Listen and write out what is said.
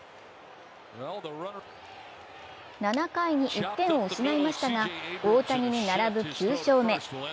７回に１点を失いましたが大谷に並ぶ９勝目。